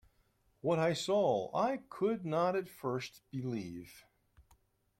What I saw I could not at first believe.